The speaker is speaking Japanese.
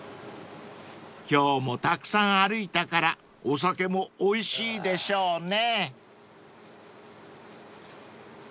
［今日もたくさん歩いたからお酒もおいしいでしょうね］